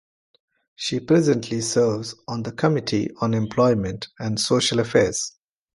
She presently serves on the Committee on Employment and Social Affairs.